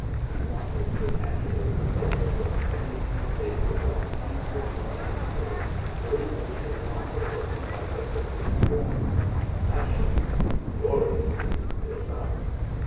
We wanted the tangible result of those many sacred and secret morning hours during which his novel was in process of being formed and fashioned, gloriously built up.